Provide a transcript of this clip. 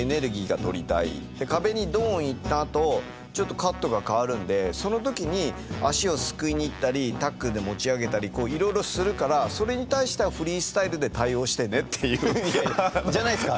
壁にドン行ったあとちょっとカットが変わるんでその時に足をすくいに行ったりタックルで持ち上げたりいろいろするからそれに対してはじゃないですか。